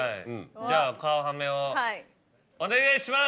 じゃあ顔はめをお願いします！